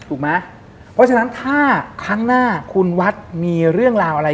ถูกไหมเพราะฉะนั้นถ้าครั้งหน้าคุณวัดมีเรื่องราวอะไร